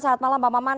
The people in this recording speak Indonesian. selamat malam pak maman